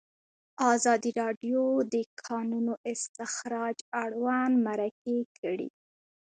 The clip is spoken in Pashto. ازادي راډیو د د کانونو استخراج اړوند مرکې کړي.